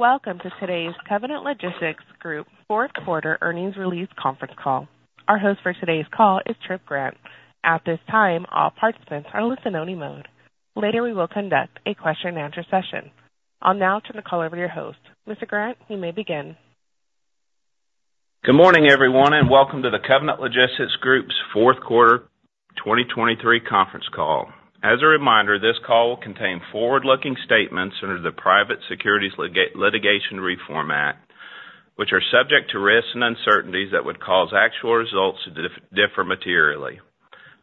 Welcome to today's Covenant Logistics Group fourth quarter earnings release conference call. Our host for today's call is Tripp Grant. At this time, all participants are in listen-only mode. Later, we will conduct a question-and-answer session. I'll now turn the call over to your host. Mr. Grant, you may begin. Good morning, everyone, and welcome to the Covenant Logistics Group's fourth quarter 2023 conference call. As a reminder, this call will contain forward-looking statements under the Private Securities Litigation Reform Act, which are subject to risks and uncertainties that would cause actual results to differ materially.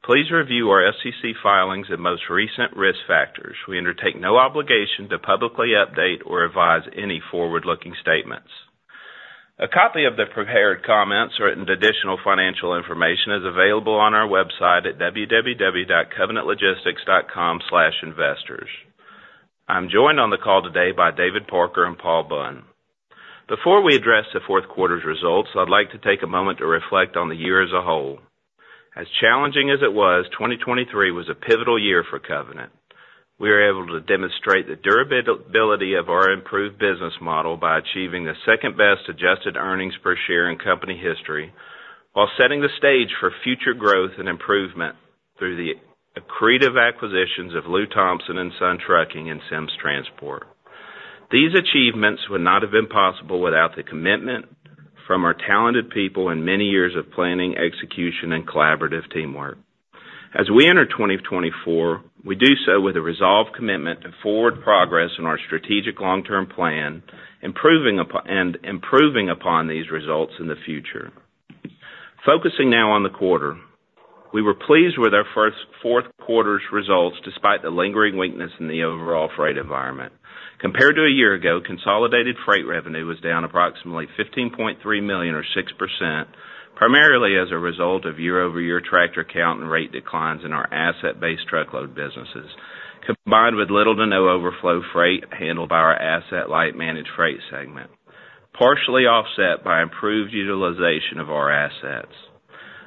Please review our SEC filings and most recent risk factors. We undertake no obligation to publicly update or revise any forward-looking statements. A copy of the prepared comments or any additional financial information is available on our website at www.covenantlogistics.com/investors. I'm joined on the call today by David Parker and Paul Bunn. Before we address the fourth quarter's results, I'd like to take a moment to reflect on the year as a whole. As challenging as it was, 2023 was a pivotal year for Covenant. We were able to demonstrate the durability of our improved business model by achieving the second-best adjusted earnings per share in company history, while setting the stage for future growth and improvement through the accretive acquisitions of Lew Thompson & Son Trucking and Sims Transport. These achievements would not have been possible without the commitment from our talented people and many years of planning, execution, and collaborative teamwork. As we enter 2024, we do so with a resolved commitment to forward progress in our strategic long-term plan, improving upon and improving upon these results in the future. Focusing now on the quarter. We were pleased with our first fourth quarter's results, despite the lingering weakness in the overall freight environment. Compared to a year ago, consolidated freight revenue was down approximately $15.3 million, or 6%, primarily as a result of year-over-year tractor count and rate declines in our asset-based truckload businesses, combined with little to no overflow freight handled by our asset-light Managed Freight segment, partially offset by improved utilization of our assets.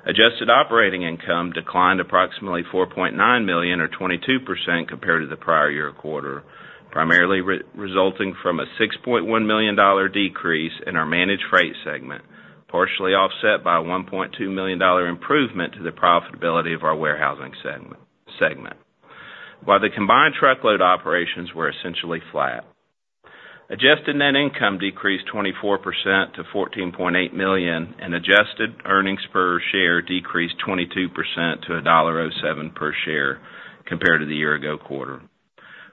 Adjusted operating income declined approximately $4.9 million, or 22% compared to the prior year quarter, primarily resulting from a $6.1 million decrease in our Managed Freight segment, partially offset by a $1.2 million improvement to the profitability of our Warehousing segment while the combined truckload operations were essentially flat. Adjusted net income decreased 24% to $14.8 million, and Adjusted Earnings Per Share decreased 22% to $1.07 per share compared to the year-ago quarter.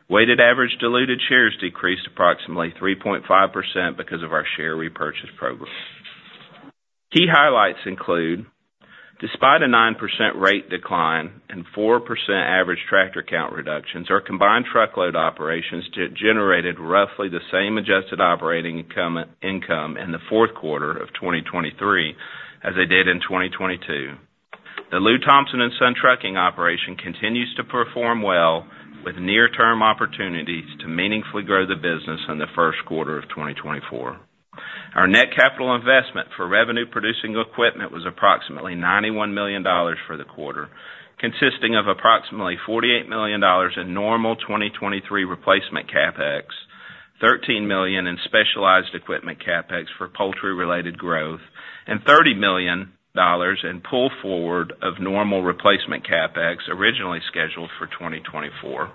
Weighted average diluted shares decreased approximately 3.5% because of our share repurchase program. Key highlights include: despite a 9% rate decline and 4% average tractor count reductions, our combined truckload operations generated roughly the same adjusted operating income in the fourth quarter of 2023 as they did in 2022. The Lew Thompson and Son Trucking operation continues to perform well, with near-term opportunities to meaningfully grow the business in the first quarter of 2024. Our net capital investment for revenue-producing equipment was approximately $91 million for the quarter, consisting of approximately $48 million in normal 2023 replacement CapEx, $13 million in specialized equipment CapEx for poultry-related growth, and $30 million in pull forward of normal replacement CapEx, originally scheduled for 2024.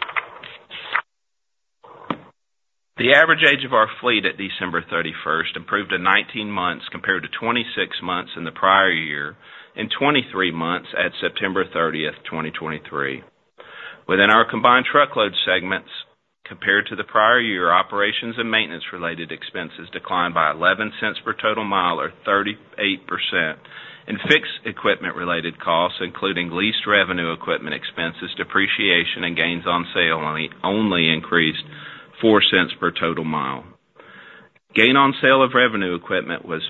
The average age of our fleet at December 31st improved to 19 months, compared to 26 months in the prior year and 23 months at September 30th, 2023. Within our combined truckload segments, compared to the prior year, operations and maintenance-related expenses declined by $0.11 per total mile, or 38%, and fixed equipment-related costs, including leased revenue, equipment expenses, depreciation, and gains on sale, only increased $0.04 per total mile. Gain on sale of revenue equipment was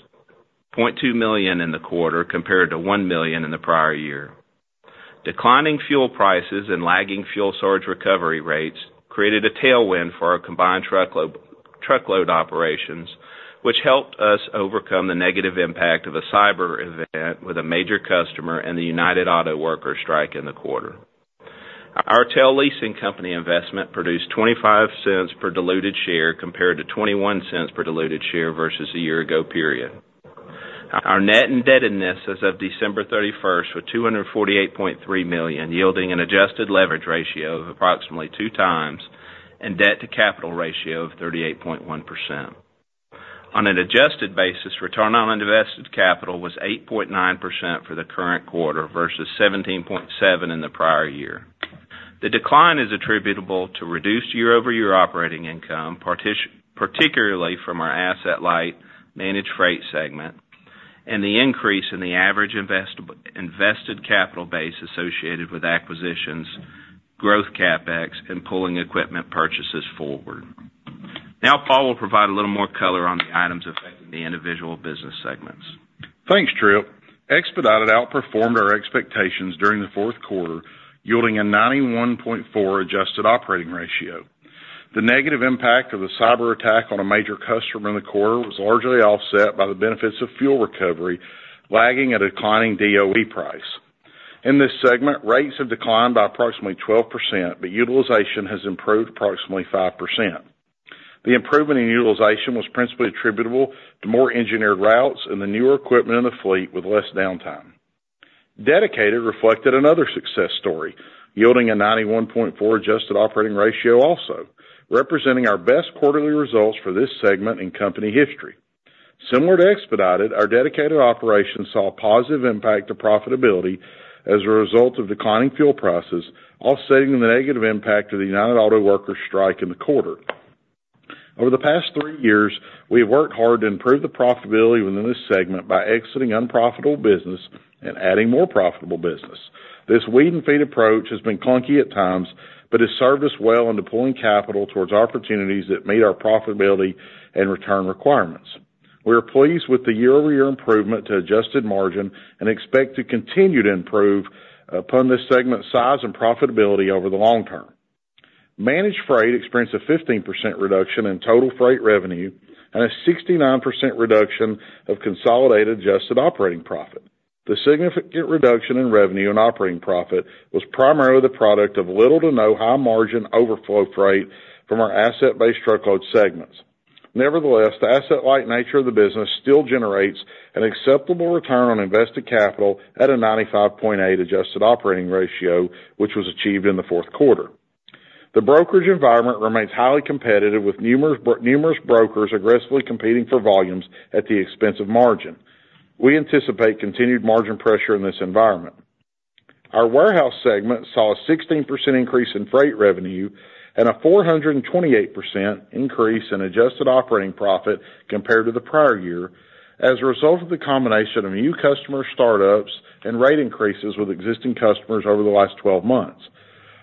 $0.2 million in the quarter, compared to $1 million in the prior year. Declining fuel prices and lagging fuel surcharge recovery rates created a TELwind for our combined truckload, truckload operations, which helped us overcome the negative impact of a cyber event with a major customer and the United Auto Workers strike in the quarter. Our TEL Leasing Company investment produced $0.25 per diluted share, compared to $0.21 per diluted share versus the year ago period. Our net indebtedness as of December 31 was $248.3 million, yielding an adjusted leverage ratio of approximately 2x and debt-to-capital ratio of 38.1%. On an adjusted basis, return on invested capital was 8.9% for the current quarter versus 17.7% in the prior year. The decline is attributable to reduced year-over-year operating income, particularly from our asset-light Managed Freight segment, and the increase in the average invested capital base associated with acquisitions, growth CapEx, and pulling equipment purchases forward. Now, Paul will provide a little more color on the items affecting the individual business segments. Thanks, Tripp. Expedited outperformed our expectations during the fourth quarter, yielding a 91.4 Adjusted Operating Ratio. The negative impact of the cyber attack on a major customer in the quarter was largely offset by the benefits of fuel recovery, lagging at a declining DOE price.... In this segment, rates have declined by approximately 12%, but utilization has improved approximately 5%. The improvement in utilization was principally attributable to more engineered routes and the newer equipment in the fleet with less downtime. Dedicated reflected another success story, yielding a 91.4 Adjusted Operating Ratio, also representing our best quarterly results for this segment in company history. Similar to Expedited, our Dedicated operations saw a positive impact to profitability as a result of declining fuel prices, offsetting the negative impact of the United Auto Workers strike in the quarter. Over the past three years, we have worked hard to improve the profitability within this segment by exiting unprofitable business and adding more profitable business. This Weed and Feed approach has been clunky at times, but has served us well in deploying capital towards opportunities that meet our profitability and return requirements. We are pleased with the year-over-year improvement to adjusted margin and expect to continue to improve upon this segment's size and profitability over the long term. Managed Freight experienced a 15% reduction in total freight revenue and a 69% reduction of consolidated adjusted operating profit. The significant reduction in revenue and operating profit was primarily the product of little to no high-margin overflow freight from our asset-based truckload segments. Nevertheless, the asset-light nature of the business still generates an acceptable return on invested capital at a 95.8 adjusted operating ratio, which was achieved in the fourth quarter. The brokerage environment remains highly competitive, with numerous brokers aggressively competing for volumes at the expense of margin. We anticipate continued margin pressure in this environment. Our warehouse segment saw a 16% increase in freight revenue and a 428% increase in adjusted operating profit compared to the prior year, as a result of the combination of new customer startups and rate increases with existing customers over the last 12 months.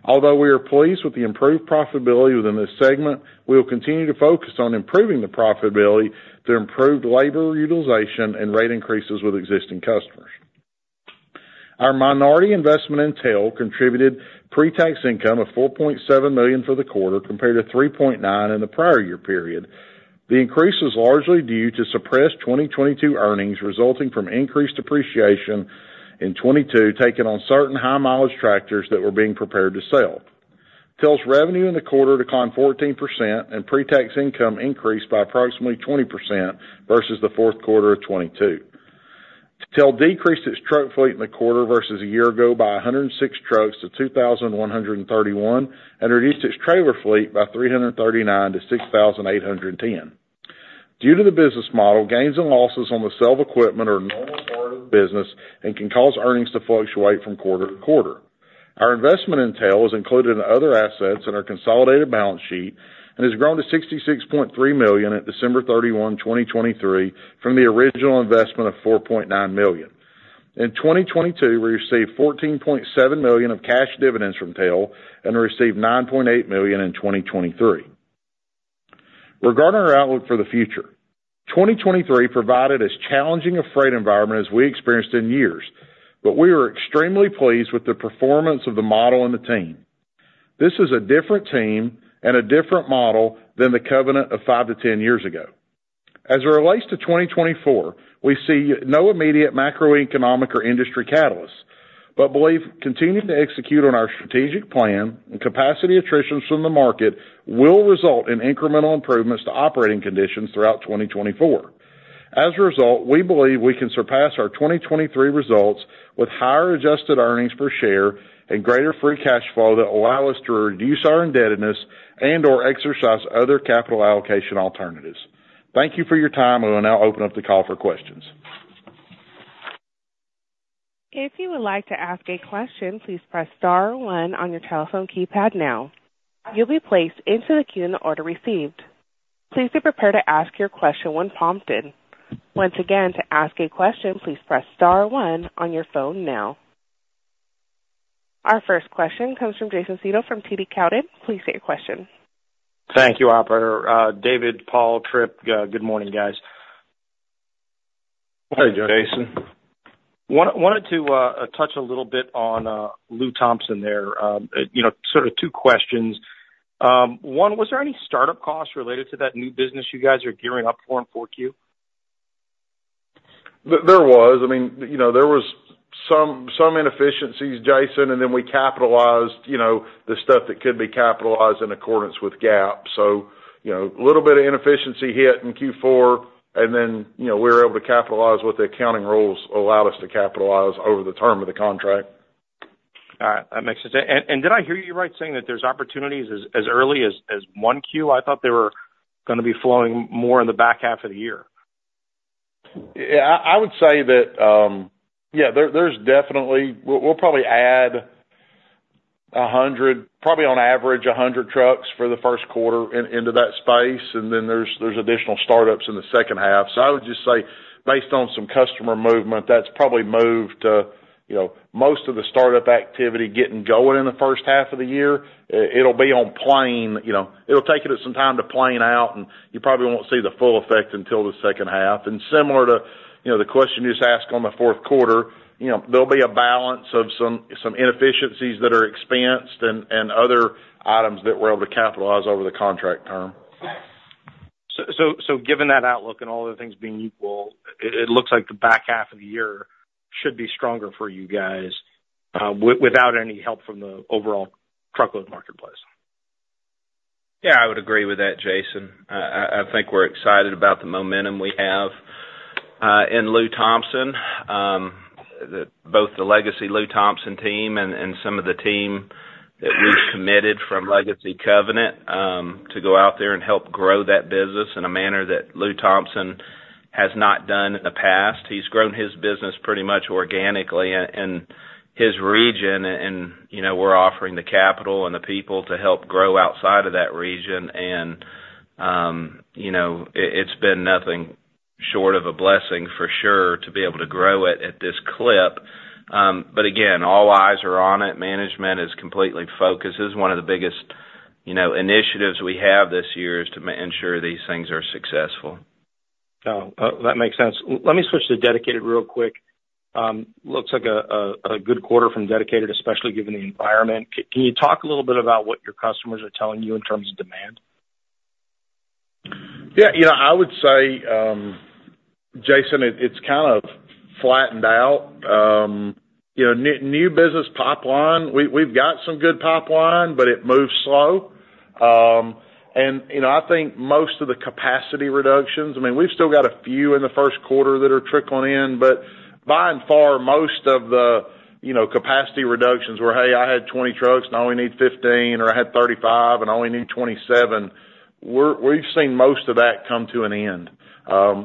Although we are pleased with the improved profitability within this segment, we will continue to focus on improving the profitability through improved labor utilization and rate increases with existing customers. Our minority investment in TEL contributed pre-tax income of $4.7 million for the quarter, compared to $3.9 million in the prior year period. The increase is largely due to suppressed 2022 earnings, resulting from increased depreciation in 2022, taken on certain high-mileage tractors that were being prepared to sell. TEL's revenue in the quarter declined 14%, and pre-tax income increased by approximately 20% versus the fourth quarter of 2022. TEL decreased its truck fleet in the quarter versus a year ago by 106 trucks to 2,131, and reduced its trailer fleet by 339 to 6,810. Due to the business model, gains and losses on the sale of equipment are a normal part of the business and can cause earnings to fluctuate from quarter to quarter. Our investment in TEL is included in other assets in our consolidated balance sheet and has grown to $66.3 million at December 31, 2023, from the original investment of $4.9 million. In 2022, we received $14.7 million of cash dividends from TEL, and we received $9.8 million in 2023. Regarding our outlook for the future, 2023 provided as challenging a freight environment as we experienced in years, but we were extremely pleased with the performance of the model and the team. This is a different team and a different model than the Covenant of 5-10 years ago. As it relates to 2024, we see no immediate macroeconomic or industry catalysts, but believe continuing to execute on our strategic plan and capacity attritions from the market will result in incremental improvements to operating conditions throughout 2024. As a result, we believe we can surpass our 2023 results with higher Adjusted Earnings Per Share and greater free cash flow that allow us to reduce our indebtedness and/or exercise other capital allocation alternatives. Thank you for your time. We will now open up the call for questions. If you would like to ask a question, please press star one on your telephone keypad now. You'll be placed into the queue in the order received. Please be prepared to ask your question when prompted. Once again, to ask a question, please press star one on your phone now. Our first question comes from Jason Seidl from TD Cowen. Please state your question. Thank you, operator. David, Paul, Tripp, good morning, guys. Morning, Jason. Wanted to touch a little bit on Lew Thompson there. You know, sort of two questions. One, was there any startup costs related to that new business you guys are gearing up for in 4Q? There was. I mean, you know, there was some inefficiencies, Jason, and then we capitalized, you know, the stuff that could be capitalized in accordance with GAAP. So, you know, a little bit of inefficiency hit in Q4, and then, you know, we were able to capitalize what the accounting rules allowed us to capitalize over the term of the contract. All right, that makes sense. And, and did I hear you right saying that there's opportunities as, as early as, as 1Q? I thought they were gonna be flowing more in the back half of the year. Yeah, I would say that, yeah, there's definitely. We'll probably add 100, probably on average, 100 trucks for the first quarter into that space, and then there's additional startups in the second half. So I would just say, based on some customer movement, that's probably moved to, you know, most of the startup activity getting going in the first half of the year. It'll be on plane, you know, it'll take it some time to plane out, and you probably won't see the full effect until the second half. And similar to, you know, the question you just asked on the fourth quarter, you know, there'll be a balance of some inefficiencies that are expensed and other items that we're able to capitalize over the contract term.... So given that outlook and all other things being equal, it looks like the back half of the year should be stronger for you guys without any help from the overall truckload marketplace. Yeah, I would agree with that, Jason. I think we're excited about the momentum we have in Lew Thompson. Both the legacy Lew Thompson team and some of the team that we've committed from Legacy Covenant to go out there and help grow that business in a manner that Lew Thompson has not done in the past. He's grown his business pretty much organically in his region, and you know, we're offering the capital and the people to help grow outside of that region. And you know, it it's been nothing short of a blessing for sure to be able to grow it at this clip. But again, all eyes are on it. Management is completely focused. This is one of the biggest you know, initiatives we have this year, is to ensure these things are successful. Oh, that makes sense. Let me switch to Dedicated real quick. Looks like a good quarter from Dedicated, especially given the environment. Can you talk a little bit about what your customers are telling you in terms of demand? Yeah, you know, I would say, Jason, it, it's kind of flattened out. You know, new business pipeline, we've got some good pipeline, but it moves slow. And, you know, I think most of the capacity reductions... I mean, we've still got a few in the first quarter that are trickling in, but by and far, most of the, you know, capacity reductions were, "Hey, I had 20 trucks, now I only need 15," or, "I had 35, and I only need 27." We've seen most of that come to an end.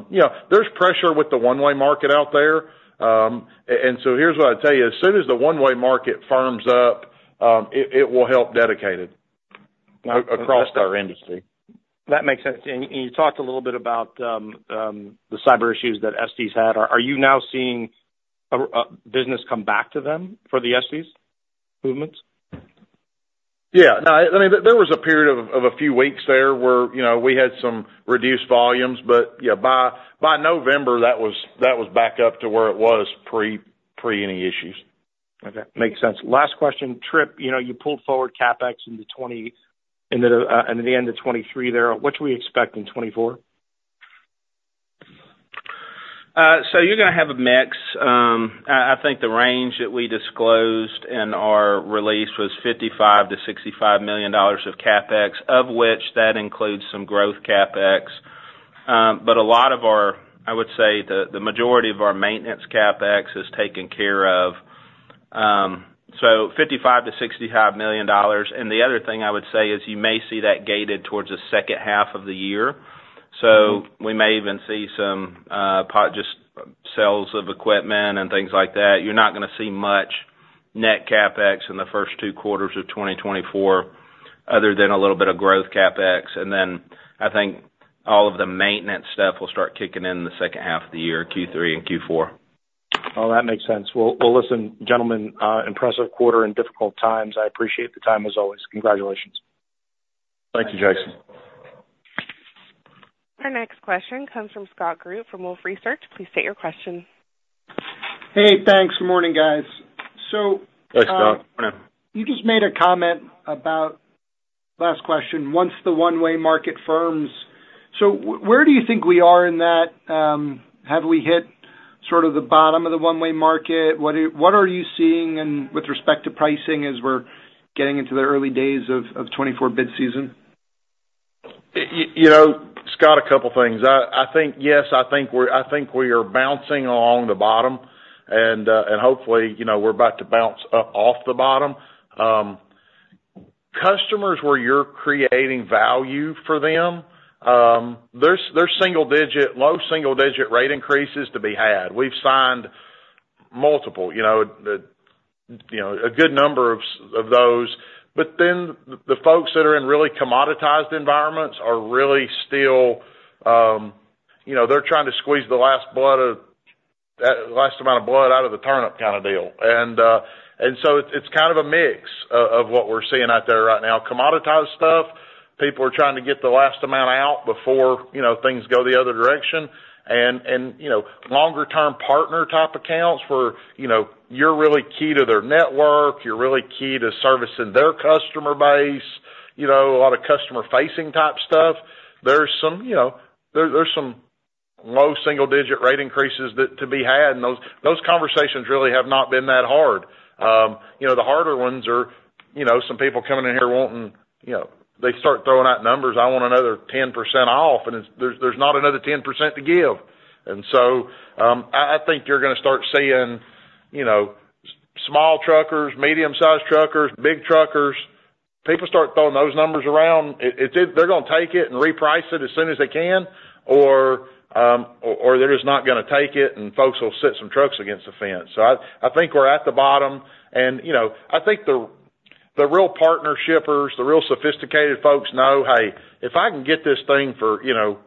Yeah, there's pressure with the one-way market out there. And so here's what I'd tell you. As soon as the one-way market firms up, it, it will help Dedicated across our industry. That makes sense. And you talked a little bit about the cyber issues that Estes had. Are you now seeing a business come back to them for the Estes movements? Yeah, no, I mean, there was a period of a few weeks there where, you know, we had some reduced volumes. But, yeah, by November, that was back up to where it was pre any issues. Okay. Makes sense. Last question. Tripp, you know, you pulled forward CapEx into the end of 2023 there. What should we expect in 2024? So you're gonna have a mix. I think the range that we disclosed in our release was $55 million-$65 million of CapEx, of which that includes some growth CapEx. But a lot of our, I would say, the majority of our maintenance CapEx is taken care of, so $55 million-$65 million. And the other thing I would say is, you may see that gated towards the second half of the year. So we may even see some just sales of equipment and things like that. You're not gonna see much net CapEx in the first two quarters of 2024, other than a little bit of growth CapEx. And then I think all of the maintenance stuff will start kicking in in the second half of the year, Q3 and Q4. Oh, that makes sense. Well, well, listen, gentlemen, impressive quarter in difficult times. I appreciate the time, as always. Congratulations. Thank you, Jason. Our next question comes from Scott Group from Wolfe Research. Please state your question. Hey, thanks. Morning, guys. So- Thanks, Scott. Morning. You just made a comment about... Last question, once the one-way market firms. So where do you think we are in that? Have we hit sort of the bottom of the one-way market? What are, what are you seeing and with respect to pricing, as we're getting into the early days of 2024 bid season? You know, Scott, a couple things. I think, yes, I think we are bouncing along the bottom and, and hopefully, you know, we're about to bounce up off the bottom. Customers, where you're creating value for them, there's low single digit rate increases to be had. We've signed multiple, you know, a good number of those. But then the folks that are in really commoditized environments are really still, you know, they're trying to squeeze the last amount of blood out of the turnip kind of deal. And, and so it's kind of a mix of what we're seeing out there right now. Commoditized stuff, people are trying to get the last amount out before, you know, things go the other direction. You know, longer term partner-type accounts where, you know, you're really key to their network, you're really key to servicing their customer base, you know, a lot of customer-facing type stuff, there's some low single digit rate increases to be had, and those conversations really have not been that hard. You know, the harder ones are, you know, some people coming in here wanting, you know, they start throwing out numbers, "I want another 10% off," and it's, there's not another 10% to give. So, I think you're gonna start seeing, you know, small truckers, medium-sized truckers, big truckers, people start throwing those numbers around, it, it... They're gonna take it and reprice it as soon as they can, or, or they're just not gonna take it, and folks will sit some trucks against the fence. So I think we're at the bottom, and, you know, I think the real partnership shippers, the real sophisticated folks know, "Hey, if I can get this thing for, you know,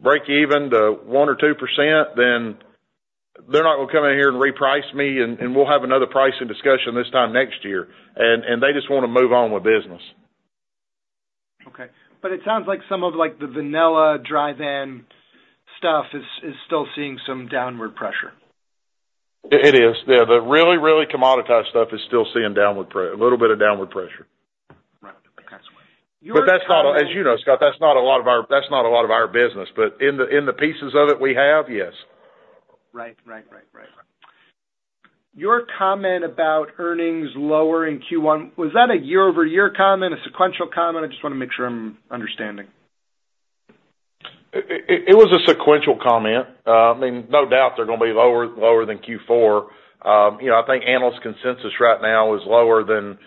break even to 1%-2%, then they're not gonna come in here and reprice me, and we'll have another pricing discussion this time next year." And they just wanna move on with business. Okay. But it sounds like some of, like, the vanilla, dry van stuff is still seeing some downward pressure? ... It is. Yeah, the really, really commoditized stuff is still seeing a little bit of downward pressure. Right. Okay. But that's not, as you know, Scott, that's not a lot of our business. But in the pieces of it we have, yes. Right. Right, right, right. Your comment about earnings lower in Q1, was that a year-over-year comment, a sequential comment? I just wanna make sure I'm understanding. It was a sequential comment. I mean, no doubt they're gonna be lower than Q4. You know, I think analyst consensus right now is lower than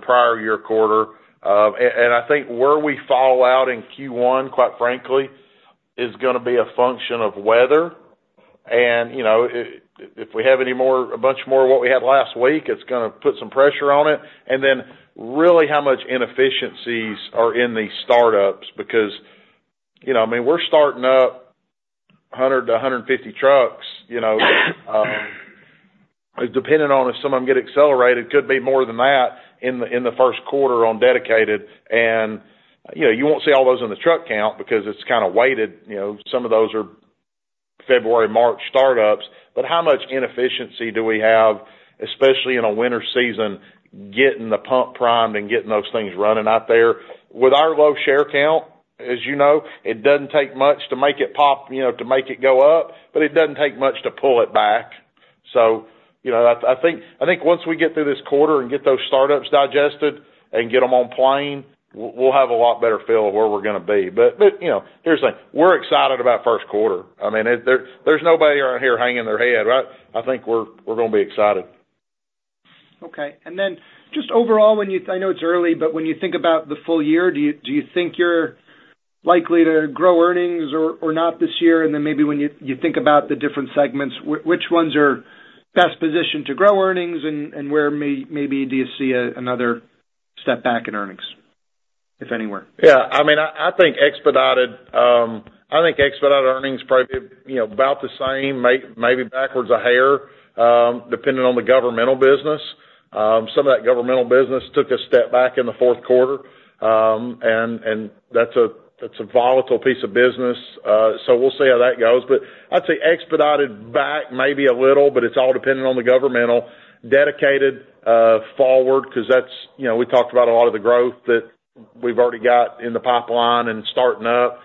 prior year quarter. And I think where we fall out in Q1, quite frankly, is gonna be a function of weather. You know, if we have any more, a bunch more of what we had last week, it's gonna put some pressure on it, and then really, how much inefficiencies are in these startups. Because, you know, I mean, we're starting up 100-150 trucks, you know, depending on if some of them get accelerated, could be more than that in the first quarter on dedicated. You know, you won't see all those in the truck count because it's kind of weighted. You know, some of those are February, March startups. But how much inefficiency do we have, especially in a winter season, getting the pump primed and getting those things running out there? With our low share count, as you know, it doesn't take much to make it pop, you know, to make it go up, but it doesn't take much to pull it back. So, you know, I think once we get through this quarter and get those startups digested and get them on plane, we'll have a lot better feel of where we're gonna be. But, you know, here's the thing, we're excited about first quarter. I mean, it, there, there's nobody around here hanging their head, right? I think we're gonna be excited. Okay. And then just overall, when you... I know it's early, but when you think about the full year, do you think you're likely to grow earnings or not this year? And then maybe when you think about the different segments, which ones are best positioned to grow earnings and where maybe do you see another step back in earnings, if anywhere? Yeah. I mean, I think expedited earnings probably be, you know, about the same, maybe backwards a hair, depending on the governmental business. Some of that governmental business took a step back in the fourth quarter. And that's a volatile piece of business. So we'll see how that goes. But I'd say expedited back maybe a little, but it's all dependent on the governmental. Dedicated forward, 'cause that's, you know, we talked about a lot of the growth that we've already got in the pipeline and starting up.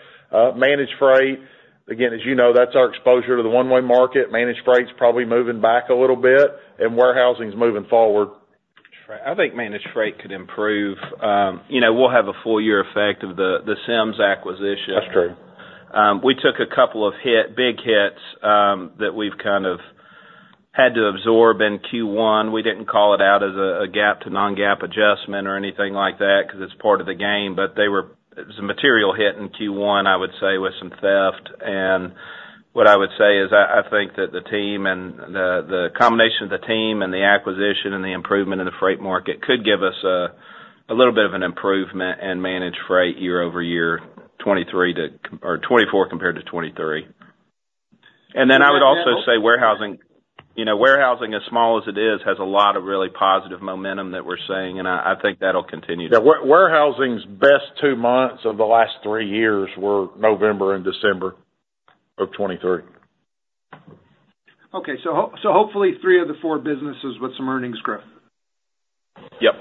Managed Freight, again, as you know, that's our exposure to the one-way market. Managed Freight's probably moving back a little bit, and Warehousing is moving forward. I think Managed Freight could improve. You know, we'll have a full year effect of the Sims acquisition. That's true. We took a couple of hits, big hits, that we've kind of had to absorb in Q1. We didn't call it out as a GAAP to non-GAAP adjustment or anything like that, 'cause it's part of the game, but it was a material hit in Q1, I would say, with some theft. And what I would say is I think that the team and the combination of the team and the acquisition and the improvement in the freight market could give us a little bit of an improvement in managed freight year-over-year, 2023 to or 2024 compared to 2023. And then I would also say warehousing, you know, warehousing, as small as it is, has a lot of really positive momentum that we're seeing, and I think that'll continue. Yeah, warehousing's best two months of the last three years were November and December of 2023. Okay, so hopefully three of the four businesses with some earnings growth? Yep.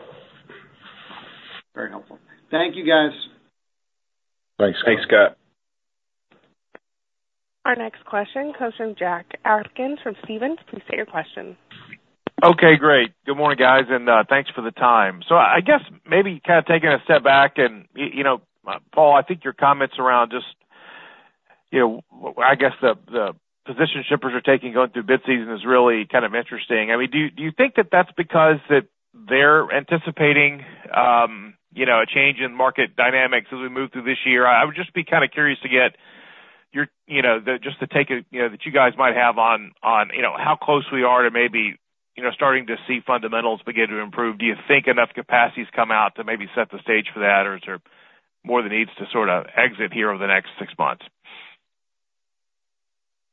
Very helpful. Thank you, guys. Thanks, Scott. Thanks, Scott. Our next question comes from Jack Atkins from Stephens. Please state your question. Okay, great. Good morning, guys, and thanks for the time. So I guess maybe kind of taking a step back, and you know, Paul, I think your comments around just, you know, I guess the position shippers are taking going through bid season is really kind of interesting. I mean, do you think that that's because they're anticipating, you know, a change in market dynamics as we move through this year? I would just be kind of curious to get your, you know, the just to take it, you know, that you guys might have on, on, you know, how close we are to maybe, you know, starting to see fundamentals begin to improve. Do you think enough capacity's come out to maybe set the stage for that, or is there more that needs to sort of exit here over the next six months?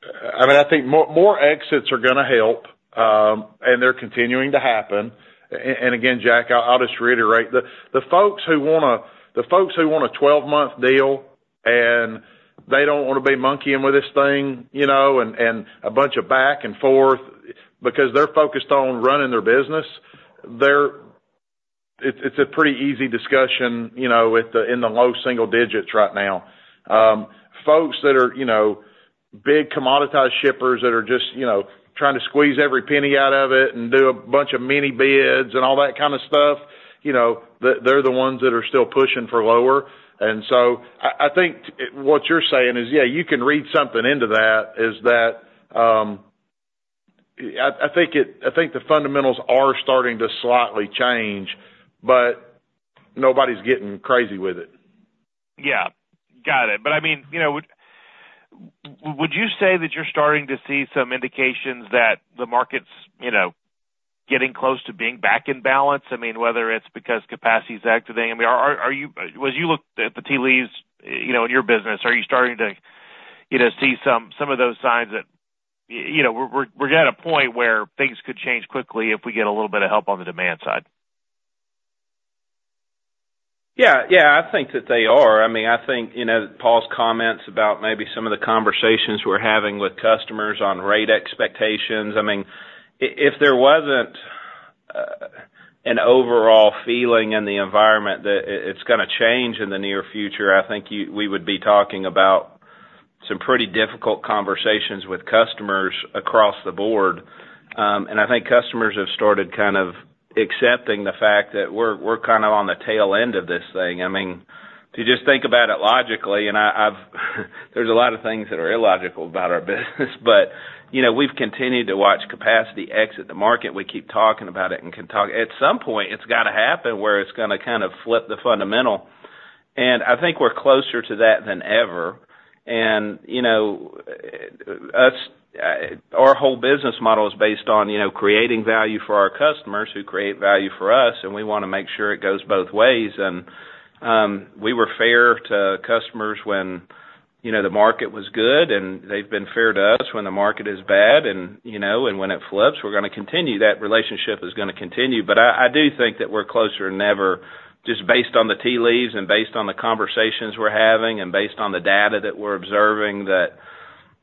I mean, I think more exits are gonna help, and they're continuing to happen. And again, Jack, I'll just reiterate, the folks who want a 12-month deal, and they don't want to be monkeying with this thing, you know, and a bunch of back and forth, because they're focused on running their business. It's a pretty easy discussion, you know, with in the low single digits right now. Folks that are, you know, big commoditized shippers that are just, you know, trying to squeeze every penny out of it and do a bunch of mini bids and all that kind of stuff, you know, they're the ones that are still pushing for lower. And so I think what you're saying is, yeah, you can read something into that, is that I think the fundamentals are starting to slightly change, but nobody's getting crazy with it. Yeah, got it. But I mean, you know, would you say that you're starting to see some indications that the market's, you know, getting close to being back in balance? I mean, whether it's because capacity's activating. I mean, are you—as you look at the tea leaves, you know, in your business, are you starting to, you know, see some of those signs that, you know, we're at a point where things could change quickly if we get a little bit of help on the demand side? ... Yeah, yeah, I think that they are. I mean, I think, you know, Paul's comments about maybe some of the conversations we're having with customers on rate expectations. I mean, if there wasn't an overall feeling in the environment that it's gonna change in the near future, I think we would be talking about some pretty difficult conversations with customers across the board. I think customers have started kind of accepting the fact that we're kind of on the TEL end of this thing. I mean, if you just think about it logically, and there's a lot of things that are illogical about our business, but, you know, we've continued to watch capacity exit the market. We keep talking about it. At some point, it's gotta happen, where it's gonna kind of flip the fundamental, and I think we're closer to that than ever. And, you know, our whole business model is based on, you know, creating value for our customers, who create value for us, and we wanna make sure it goes both ways. And, we were fair to customers when, you know, the market was good, and they've been fair to us when the market is bad, and, you know, and when it flips, we're gonna continue. That relationship is gonna continue. But I do think that we're closer than ever, just based on the tea leaves and based on the conversations we're having and based on the data that we're observing, that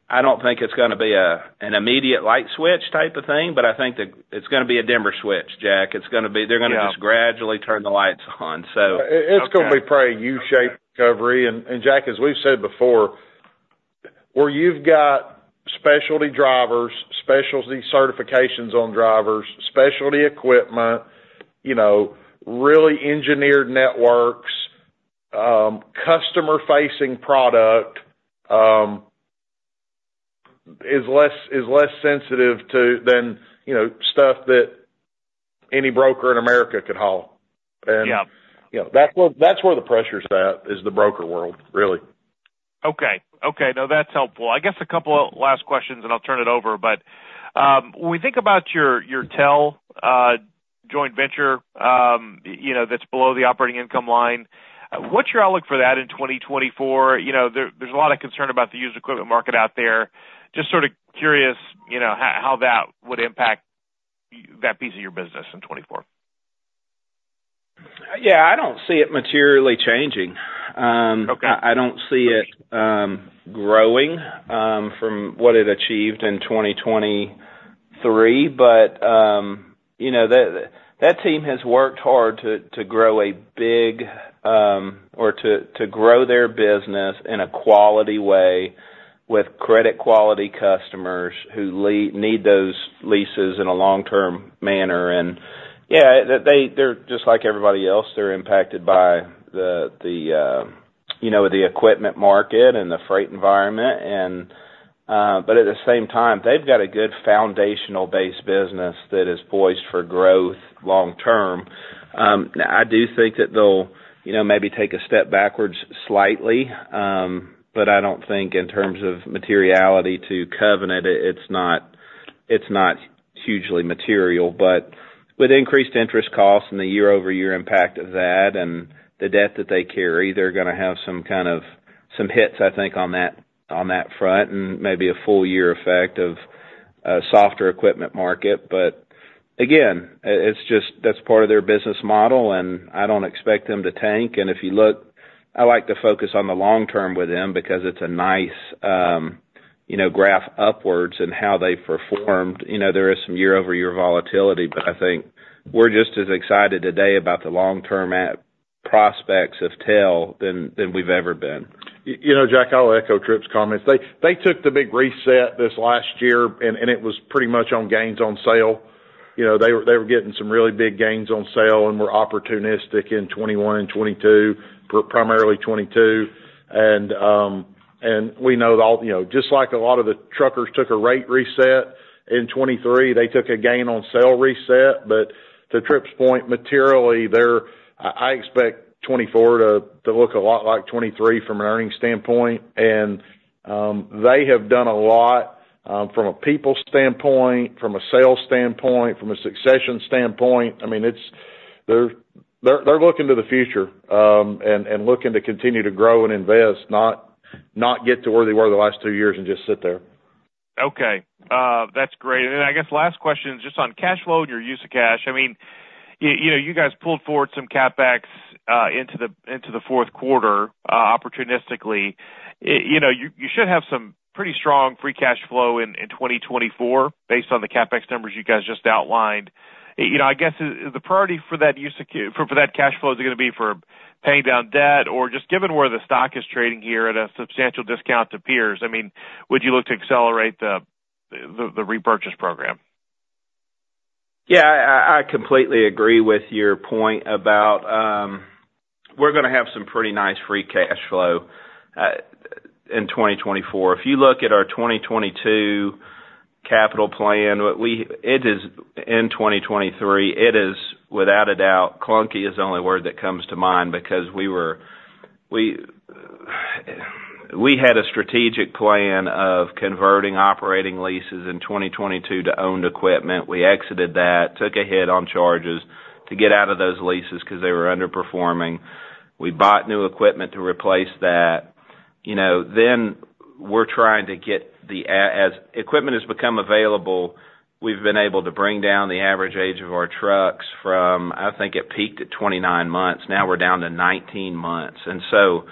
I don't think it's gonna be an immediate light switch type of thing, but I think that it's gonna be a dimmer switch, Jack. It's gonna be. Yeah. They're gonna just gradually turn the lights on, so it's gonna be probably U-shaped recovery. And Jack, as we've said before, where you've got specialty drivers, specialty certifications on drivers, specialty equipment, you know, really engineered networks, customer-facing product, is less, is less sensitive to than, you know, stuff that any broker in America could haul. Yeah. And, you know, that's where, that's where the pressure's at, is the broker world, really. Okay. Okay, no, that's helpful. I guess a couple of last questions, and I'll turn it over. But, when we think about your, your TEL joint venture, you know, that's below the operating income line, what's your outlook for that in 2024? You know, there, there's a lot of concern about the used equipment market out there. Just sort of curious, you know, how, how that would impact that piece of your business in 2024. Yeah, I don't see it materially changing. Okay. I don't see it growing from what it achieved in 2023. But, you know, that, that team has worked hard to grow a big, or to grow their business in a quality way with credit quality customers who need those leases in a long-term manner. And yeah, they, they're just like everybody else, they're impacted by the you know, the equipment market and the freight environment. And but at the same time, they've got a good foundational base business that is poised for growth long term. I do think that they'll, you know, maybe take a step backwards slightly, but I don't think in terms of materiality to Covenant, it's not hugely material. But with increased interest costs and the year-over-year impact of that and the debt that they carry, they're gonna have some kind of, some hits, I think, on that, on that front, and maybe a full year effect of a softer equipment market. But again, it's just, that's part of their business model, and I don't expect them to tank. And if you look, I like to focus on the long term with them because it's a nice, you know, graph upwards in how they've performed. You know, there is some year-over-year volatility, but I think we're just as excited today about the long-term at prospects of Tel than we've ever been. You know, Jack, I'll echo Tripp's comments. They took the big reset this last year, and it was pretty much on gains on sale. You know, they were getting some really big gains on sale and were opportunistic in 2021 and 2022, primarily 2022. And we know that, you know, just like a lot of the truckers took a rate reset in 2023, they took a gain on sale reset. But to Tripp's point, materially, they're... I expect 2024 to look a lot like 2023 from an earnings standpoint. And they have done a lot from a people standpoint, from a sales standpoint, from a succession standpoint. I mean, it's they're looking to the future and looking to continue to grow and invest, not get to where they were the last two years and just sit there. Okay. That's great. And I guess last question is just on cash flow and your use of cash. I mean, you know, you guys pulled forward some CapEx into the fourth quarter opportunistically. You know, you should have some pretty strong free cash flow in 2024 based on the CapEx numbers you guys just outlined. You know, I guess, the priority for that use of cash for that cash flow, is it gonna be for paying down debt, or just given where the stock is trading here at a substantial discount to peers, I mean, would you look to accelerate the repurchase program? Yeah, I completely agree with your point about, we're gonna have some pretty nice free cash flow in 2024. If you look at our 2022 capital plan, it is, in 2023, it is without a doubt, clunky is the only word that comes to mind, because we were. We had a strategic plan of converting operating leases in 2022 to owned equipment. We exited that, took a hit on charges to get out of those leases 'cause they were underperforming. We bought new equipment to replace that. You know, then we're trying to get as equipment has become available, we've been able to bring down the average age of our trucks from, I think it peaked at 29 months. Now we're down to 19 months. And so,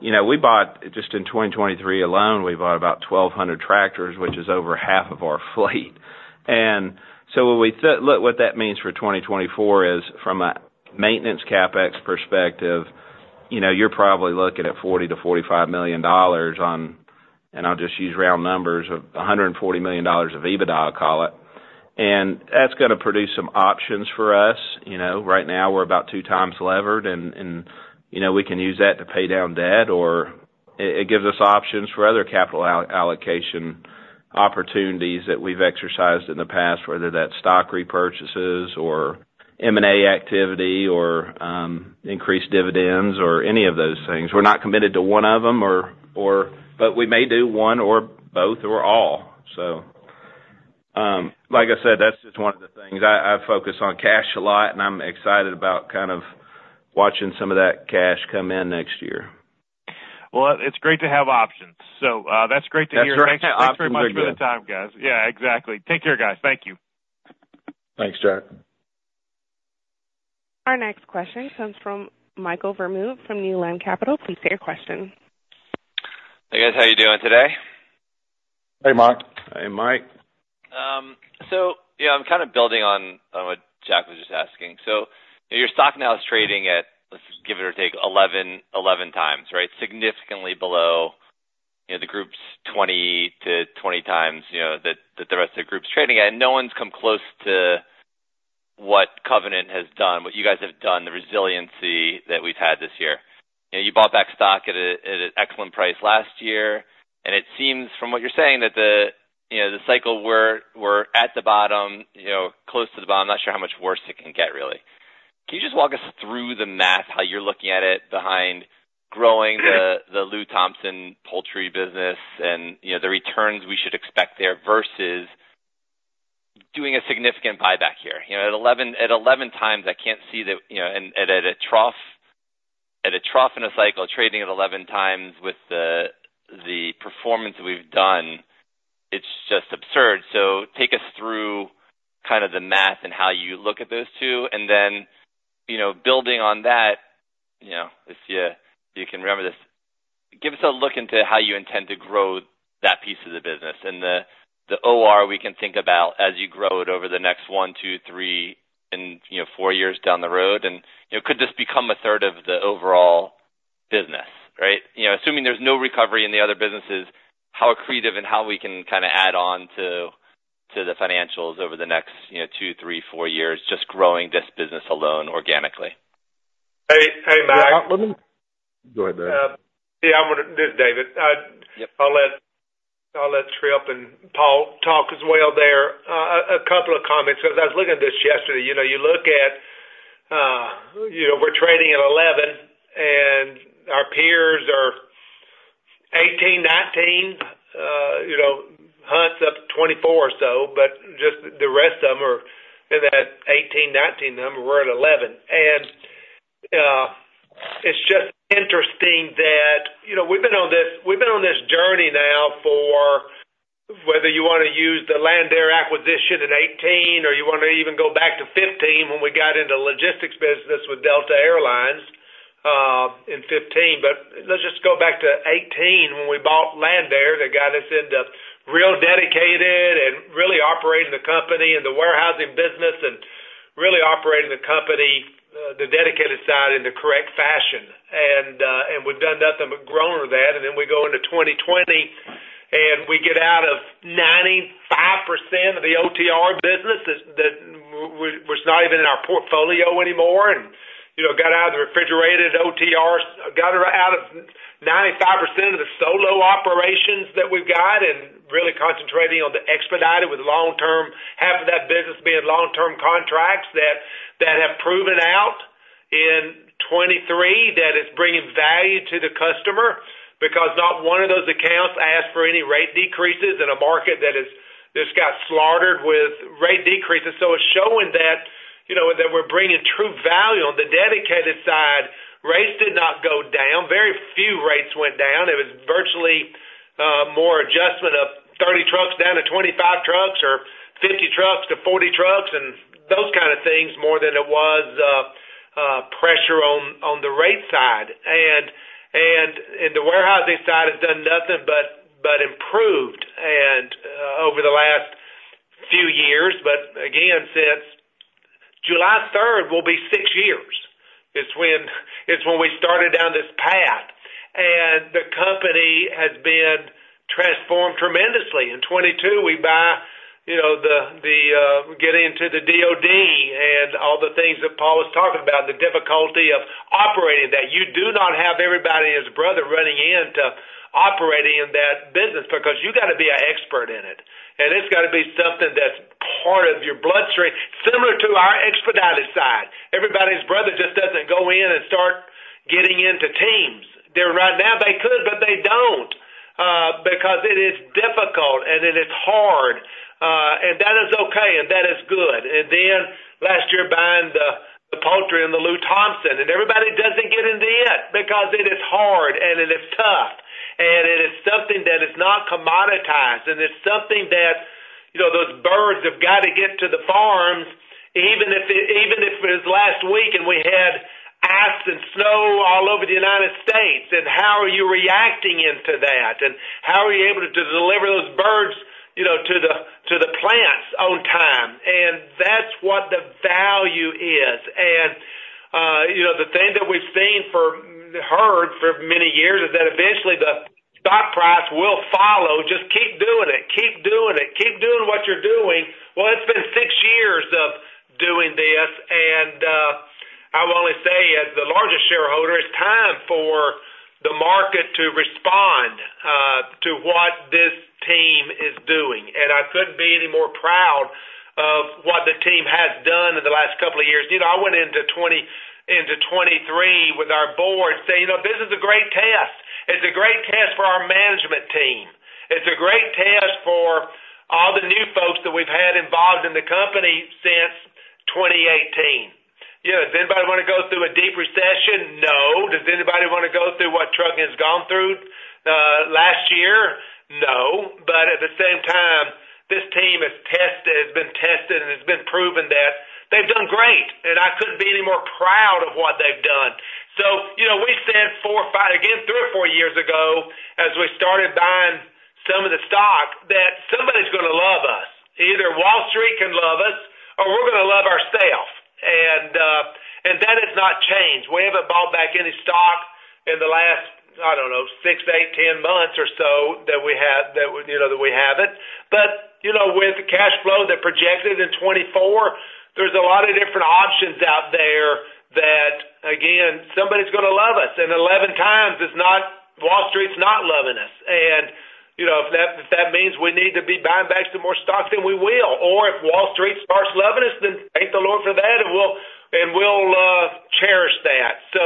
you know, we bought, just in 2023 alone, we bought about 1,200 tractors, which is over half of our fleet. And so when we look, what that means for 2024 is, from a maintenance CapEx perspective, you know, you're probably looking at $40 million-$45 million on, and I'll just use round numbers of $140 million of EBITDA, I'll call it. And that's gonna produce some options for us. You know, right now, we're about two times levered, and you know, we can use that to pay down debt, or it gives us options for other capital allocation opportunities that we've exercised in the past, whether that's stock repurchases or M&A activity or increased dividends or any of those things. We're not committed to one of them or but we may do one or both or all. So, like I said, that's just one of the things. I focus on cash a lot, and I'm excited about kind of watching some of that cash come in next year. Well, it's great to have options. So, that's great to hear. That's right. Thanks very much for the time, guys. Yeah, exactly. Take care, guys. Thank you. Thanks, Jack. Our next question comes from Michael Vermut, from Newland Capital. Please state your question. Hey, guys, how you doing today? Hey, Mike. Hey, Mike. So yeah, I'm kind of building on, on what Jack was just asking. So your stock now is trading at, let's give or take 11, 11 times, right? Significantly below, you know, the group's 20-20 times, you know, that, that the rest of the group's trading at, and no one's come close to what Covenant has done, what you guys have done, the resiliency that we've had this year. You know, you bought back stock at a, at an excellent price last year, and it seems from what you're saying, that the, you know, the cycle we're, we're at the bottom, you know, close to the bottom. I'm not sure how much worse it can get, really. Can you just walk us through the math, how you're looking at it behind growing the, theLew Thompson poultry business and, you know, the returns we should expect there versus doing a significant buyback here? You know, at 11, at 11 times, I can't see that, you know, and at a trough, at a trough in a cycle, trading at 11 times with the, the performance we've done, it's just absurd. So take us through kind of the math and how you look at those two, and then, you know, building on that, you know, if you, you can remember this, give us a look into how you intend to grow that piece of the business and the, the OR we can think about as you grow it over the next one, two, three, and, you know, four years down the road. You know, could this become a third of the overall business, right? You know, assuming there's no recovery in the other businesses, how accretive and how we can kinda add on to, to the financials over the next, you know, 2, 3, 4 years, just growing this business alone organically? Hey, hey, Mike. Go ahead, David. Yeah, this is David. Yep. I'll let Tripp and Paul talk as well there. A couple of comments, because I was looking at this yesterday. You know, you look at, you know, we're trading at 11, and our peers are 18, 19. You know, Hunt's up to 24 or so, but just the rest of them are in that 18, 19 number, we're at 11. And it's just interesting that, you know, we've been on this, we've been on this journey now for whether you want to use the Landair acquisition in 2018 or you want to even go back to 2015 when we got into the logistics business with Delta Air Lines, in 2015. But let's just go back to 2018 when we bought Landair. That got us into real dedicated and really operating the company and the warehousing business and really operating the company, the dedicated side in the correct fashion. And we've done nothing but grown with that. And then we go into 2020, and we get out of 95% of the OTR business that was not even in our portfolio anymore. And, you know, got out of the refrigerated OTR, got out of 95% of the solo operations that we've got and really concentrating on the expedited with long-term, half of that business being long-term contracts, that have proven out in 2023, that it's bringing value to the customer. Because not one of those accounts asked for any rate decreases in a market that is, just got slaughtered with rate decreases. So it's showing that, you know, that we're bringing true value. On the dedicated side, rates did not go down. Very few rates went down. It was virtually more adjustment of 30 trucks down to 25 trucks or 50 trucks to 40 trucks and those kind of things, more than it was pressure on the rate side. And the warehousing side has done nothing but improved over the last few years. But again, since July 3rd, will be six years, is when we started down this path, and the company has been transformed tremendously. In 2022, we buy, you know, we get into the DoD and all the things that Paul was talking about, the difficulty of operating, that you do not have everybody and his brother running into operating in that business because you got to be an expert in it, and it's got to be something that's part of your bloodstream, similar to our expedited side. Everybody's brother just doesn't go in and start getting into teams. Right now, they could, but they don't, because it is difficult and it is hard. And that is okay, and that-... Lew Thompson, and everybody doesn't get into it because it is hard, and it is tough, and it is something that is not commoditized, and it's something that, you know, those birds have got to get to the farms, even if it, even if it was last week and we had ice and snow all over the United States. And how are you reacting into that? And how are you able to, to deliver those birds, you know, to the, to the plants on time? And that's what the value is. And, you know, the thing that we've heard for many years is that eventually the stock price will follow. Just keep doing it, keep doing it, keep doing what you're doing. Well, it's been six years of doing this, and I will only say, as the largest shareholder, it's time for the market to respond to what this team is doing. And I couldn't be any more proud of what the team has done in the last couple of years. You know, I went into 2020, into 2023 with our board saying, "You know, this is a great test. It's a great test for our management team. It's a great test for all the new folks that we've had involved in the company since 2018." You know, does anybody wanna go through a deep recession? No. Does anybody wanna go through what trucking has gone through last year? No. But at the same time, this team has tested, has been tested, and has been proven that they've done great, and I couldn't be any more proud of what they've done. So, you know, we said four or five— again, three or four years ago, as we started buying some of the stock, that somebody's gonna love us. Either Wall Street can love us, or we're gonna love ourself, and, and that has not changed. We haven't bought back any stock in the last, I don't know, six to eight, 10 months or so, that we have, that, you know, that we haven't. But, you know, with the cash flow that projected in 2024, there's a lot of different options out there that, again, somebody's gonna love us, and 11 times is not— Wall Street's not loving us. And, you know, if that, if that means we need to be buying back some more stocks, then we will. Or if Wall Street starts loving us, then thank the Lord for that, and we'll, and we'll, cherish that. So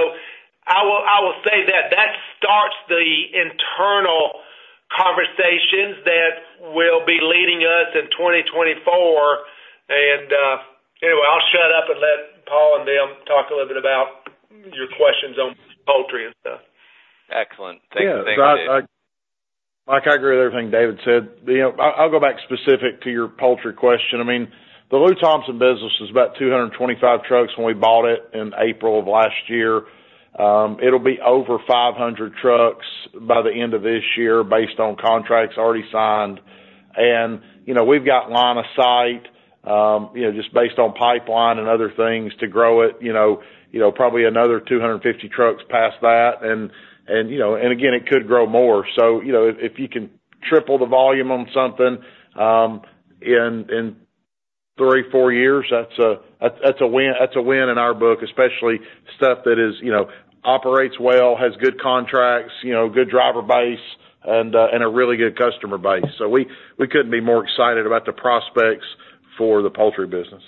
I will, I will say that that starts the internal conversations that will be leading us in 2024. And, anyway, I'll shut up and let Paul and them talk a little bit about your questions on poultry and stuff. Excellent. Thank you. Yeah. I like, I agree with everything David said. You know, I'll go back specific to your poultry question. I mean, the Lew Thompson business was about 225 trucks when we bought it in April of last year. It'll be over 500 trucks by the end of this year, based on contracts already signed. And, you know, we've got line of sight, you know, just based on pipeline and other things to grow it, you know, probably another 250 trucks past that. And, you know, and again, it could grow more. So, you know, if you can triple the volume on something, in three, four years, that's a win, that's a win in our book, especially stuff that is, you know, operates well, has good contracts, you know, good driver base and a really good customer base. So we couldn't be more excited about the prospects for the poultry business.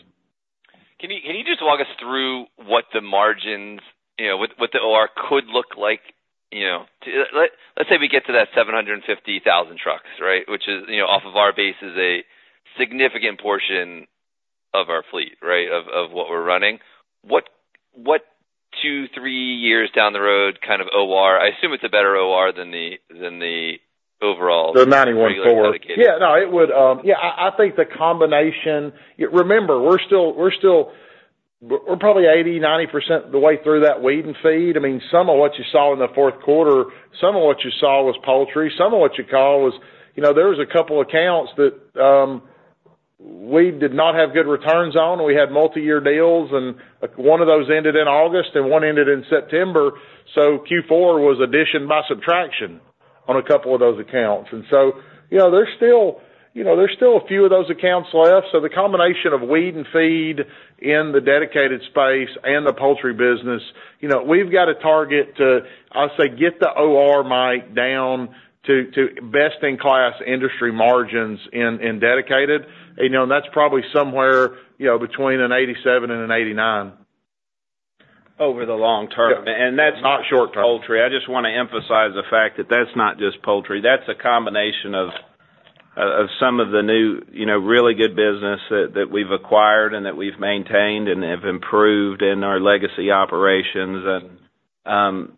Can you just walk us through what the margins, you know, what the OR could look like, you know? Let's say we get to that 750,000 trucks, right? Which is, you know, off of our base, is a significant portion of our fleet, right, of what we're running. What two to three years down the road, kind of, OR... I assume it's a better OR than the, than the overall- The 91.4. Dedicated. Yeah. No, it would. Yeah, I think the combination. Remember, we're still probably 80%-90% the way through that weed and feed. I mean, some of what you saw in the fourth quarter, some of what you saw was poultry, some of what you saw was. You know, there was a couple accounts that we did not have good returns on. We had multi-year deals, and one of those ended in August and one ended in September. So Q4 was addition by subtraction on a couple of those accounts. And so, you know, there's still a few of those accounts left. So the combination of weed and feed in the dedicated space and the poultry business, you know, we've got a target to, I'll say, get the OR, Mike, down to best-in-class industry margins in dedicated. You know, that's probably somewhere, you know, between 87 and 89. Over the long term. Yeah. And that's- Not short term. -poultry. I just wanna emphasize the fact that that's not just poultry. That's a combination of, of some of the new, you know, really good business that, that we've acquired and that we've maintained and have improved in our legacy operations and,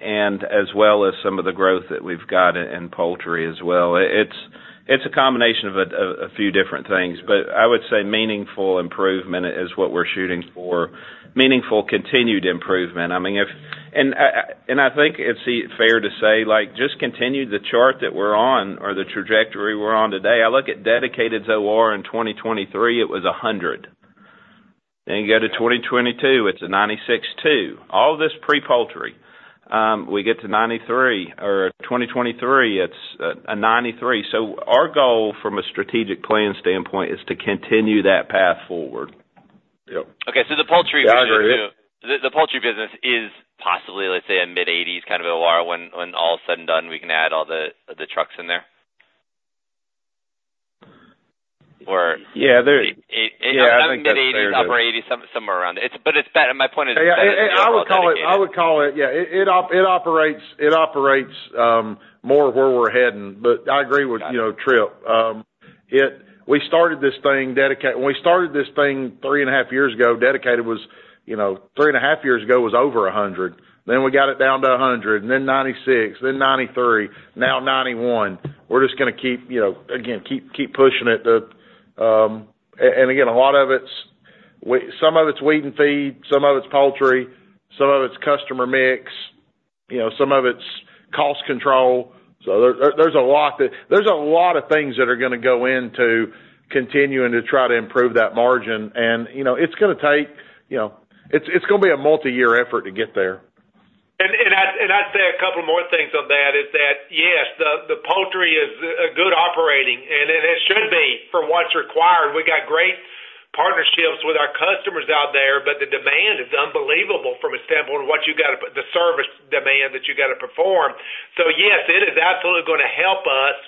and as well as some of the growth that we've got in poultry as well. It's, it's a combination of a, of a few different things, but I would say meaningful improvement is what we're shooting for, meaningful, continued improvement. I mean, if... And, and I think it's fair to say, like, just continue the chart that we're on or the trajectory we're on today. I look at Dedicated OR in 2023, it was 100. Then you go to 2022, it's a 96.2. All this pre-poultry, we get to 93 in 2023, it's a 93. Our goal, from a strategic plan standpoint, is to continue that path forward. Yep. Okay, so the poultry business- Yeah, I agree. The poultry business is possibly, let's say, a mid-80s kind of OR when all is said and done, we can add all the trucks in there? Or- Yeah, there- Eight- Yeah, I think that's fair. mid-80s, upper 80s, somewhere around it. But it's that. My point is- I would call it. Yeah, it operates more of where we're heading. But I agree with, you know, Tripp. It—we started this thing dedicated—when we started this thing 3.5 years ago, dedicated was, you know, 3.5 years ago, was over 100. Then we got it down to 100, and then 96, then 93, now 91. We're just gonna keep, you know, again, keep pushing it. And again, a lot of it's—some of it's weed and feed, some of it's poultry, some of it's customer mix, you know, some of it's cost control. So there, there's a lot of things that are gonna go into continuing to try to improve that margin. You know, it's gonna take, you know, it's gonna be a multi-year effort to get there. I'd say a couple more things on that. Yes, the poultry is a good operating, and it should be for what's required. We've got great partnerships with our customers out there, but the demand is unbelievable from a standpoint of what you gotta, the service demand that you gotta perform. So yes, it is absolutely gonna help us.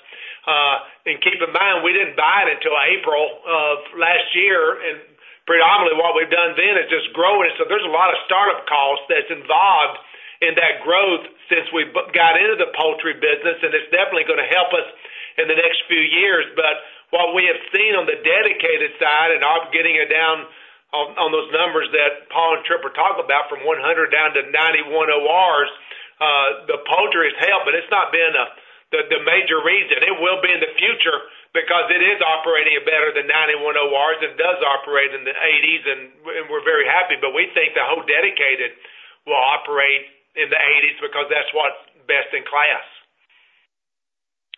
And keep in mind, we didn't buy it until April of last year, and predominantly what we've done then is just grow it. So there's a lot of startup costs that's involved in that growth since we got into the poultry business, and it's definitely gonna help us in the next few years. But what we have seen on the dedicated side, and of getting it down on, on those numbers that Paul and Tripp are talking about, from 100 down to 91 ORs, the poultry has helped, but it's not been the major reason. It will be in the future, because it is operating better than 91 ORs and does operate in the 80s, and we're very happy. But we think the whole dedicated will operate in the 80s, because that's what's best in class.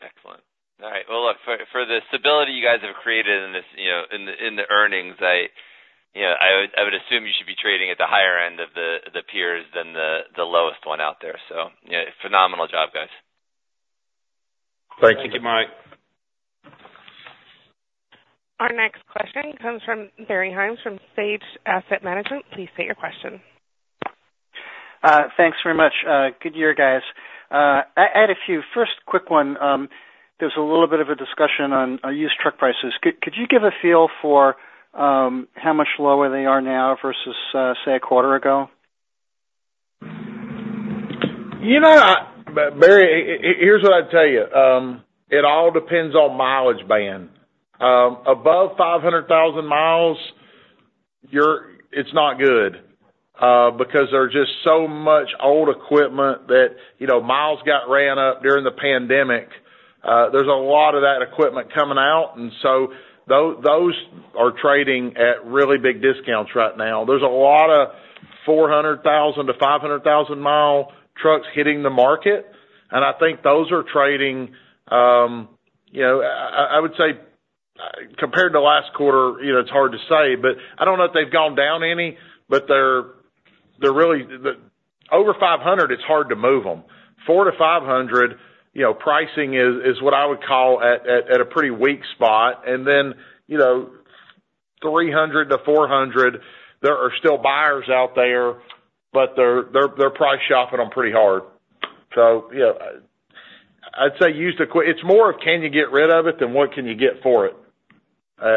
Excellent. All right. Well, look, for the stability you guys have created in this, you know, in the earnings, I, you know, I would assume you should be trading at the higher end of the peers than the lowest one out there. So, yeah, phenomenal job, guys. Thank you, Mike. Our next question comes from Barry Haimes from Sage Asset Management. Please state your question. Thanks very much. Good year, guys. I had a few. First, quick one, there's a little bit of a discussion on used truck prices. Could you give a feel for how much lower they are now versus say, a quarter ago? You know, Barry, here's what I'd tell you. It all depends on mileage band. Above 500,000 miles, you're-- it's not good, because there's just so much old equipment that, you know, miles got ran up during the pandemic. There's a lot of that equipment coming out, and so those are trading at really big discounts right now. There's a lot of 400,000-500,000 mile trucks hitting the market, and I think those are trading, you know, I would say, compared to last quarter, you know, it's hard to say, but I don't know if they've gone down any, but they're, they're really-- the over 500,000, it's hard to move them. Four to five hundred, you know, pricing is, is what I would call at, at, at a pretty weak spot. And then, you know, 300-400, there are still buyers out there, but they're price shopping them pretty hard. So, you know, I'd say used equ- it's more of can you get rid of it than what can you get for it? But,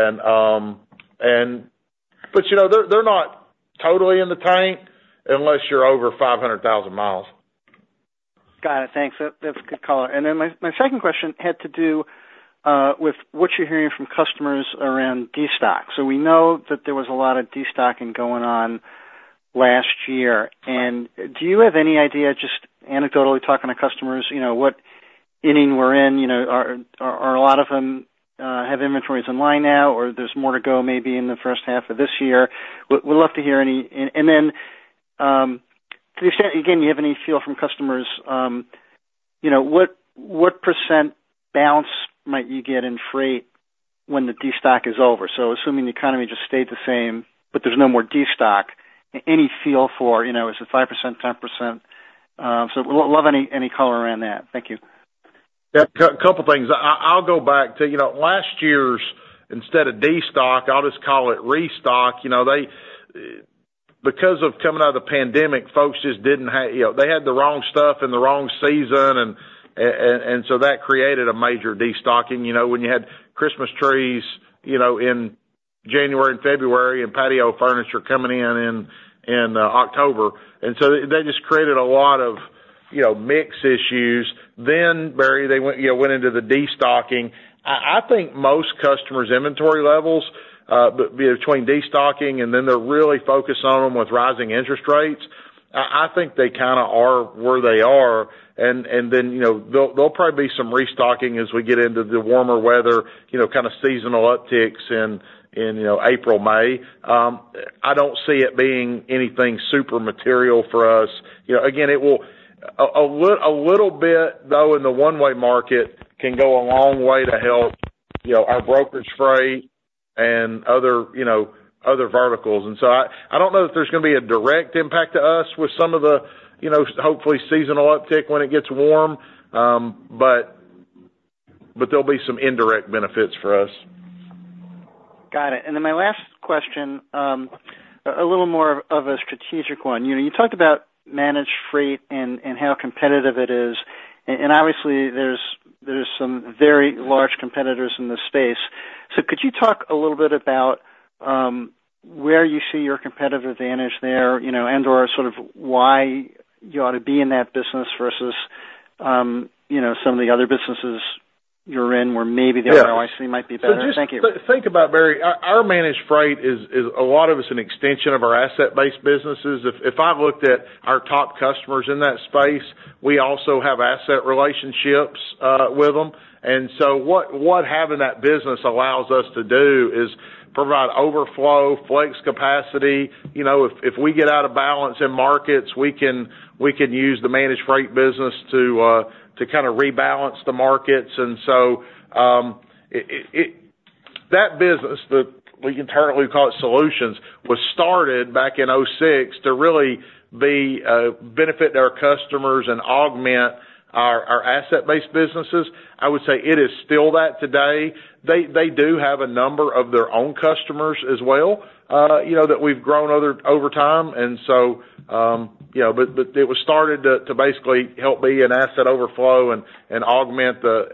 you know, they're not totally in the tank, unless you're over 500,000 miles. Got it, thanks. That, that's a good call. And then my second question had to do with what you're hearing from customers around destock. So we know that there was a lot of destocking going on last year. And do you have any idea, just anecdotally, talking to customers, you know, what inning we're in? You know, are a lot of them have inventories in line now, or there's more to go, maybe in the first half of this year? We'd love to hear any... And then, to the extent, again, do you have any feel from customers, you know, what percent bounce might you get in freight when the destock is over? So assuming the economy just stayed the same, but there's no more destock, any feel for, you know, is it 5%, 10%? So, we'd love any, any color around that. Thank you. Yeah, couple things. I'll go back to, you know, last year's, instead of destock, I'll just call it restock. You know, they, because of coming out of the pandemic, folks just didn't have, you know, they had the wrong stuff in the wrong season, and, and so that created a major destocking. You know, when you had Christmas trees, you know, in January and February and patio furniture coming in, in, in, October. And so that just created a lot of, you know, mix issues. Then, Barry, they went, you know, went into the destocking. I think most customers' inventory levels, between destocking, and then they're really focused on them with rising interest rates, I think they kinda are where they are. Then, you know, there'll probably be some restocking as we get into the warmer weather, you know, kind of seasonal upticks in, you know, April, May. I don't see it being anything super material for us. You know, again, it will... a little bit, though, in the one-way market can go a long way to help, you know, our brokerage freight and other, you know, other verticals. And so I don't know if there's gonna be a direct impact to us with some of the, you know, hopefully, seasonal uptick when it gets warm, but there'll be some indirect benefits for us. Got it. And then my last question, a little more of a strategic one. You know, you talked about managed freight and how competitive it is, and obviously, there's some very large competitors in this space. So could you talk a little bit about where you see your competitive advantage there, you know, and/or sort of why you ought to be in that business versus, you know, some of the other businesses you're in, where maybe the ROI might be better? Thank you. So just think about, Barry, our managed freight is a lot of it's an extension of our asset-based businesses. If I've looked at our top customers in that space, we also have asset relationships with them. And so what having that business allows us to do is provide overflow, flex capacity. You know, if we get out of balance in markets, we can use the managed freight business to kind of rebalance the markets. And so that business that we internally call Solutions was started back in 2006 to really benefit our customers and augment our asset-based businesses. I would say it is still that today. They do have a number of their own customers as well, you know, that we've grown over time. So, you know, but it was started to basically help be an asset overflow and augment the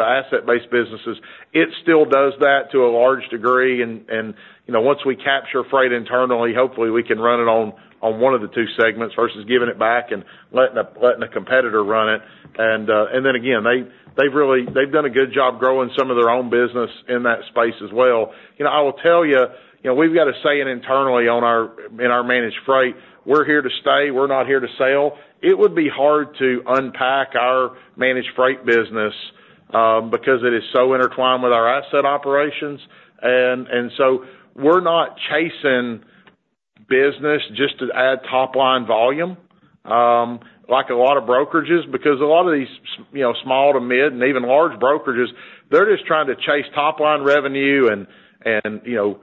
asset-based businesses. It still does that to a large degree, and you know, once we capture freight internally, hopefully, we can run it on one of the two segments versus giving it back and letting a competitor run it. And then again, they've really done a good job growing some of their own business in that space as well. You know, I will tell you, you know, we've got a saying internally in our managed freight: We're here to stay, we're not here to sail. It would be hard to unpack our managed freight business because it is so intertwined with our asset operations. And so we're not chasing business just to add top line volume, like a lot of brokerages, because a lot of these, you know, small to mid, and even large brokerages, they're just trying to chase top line revenue and, you know,